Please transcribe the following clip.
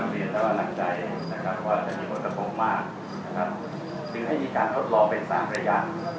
เพราะว่าจะมีบทสมมากถึงให้มีการทดลองเป็น๓ระยะ